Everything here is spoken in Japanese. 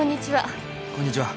こんにちは。